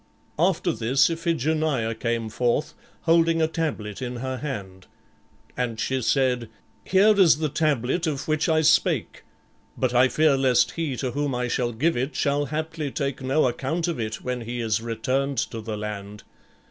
After this Iphigenia came forth, holding a tablet in her hand. And she said, "Here is the tablet of which I spake. But I fear lest he to whom I shall give it shall haply take no account of it when he is returned to the land.